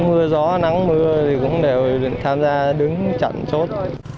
mưa gió nắng mưa thì cũng đều tham gia đứng chặn chốt